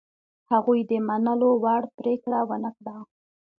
هغوی د منلو وړ پرېکړه ونه کړه.